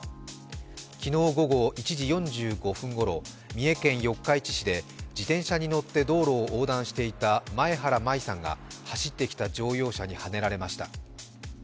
昨日午後１時４５分頃三重県四日市市で自転車に乗って道路を横断していた前原舞雪さんが、走ってきた乗用車にはねられました。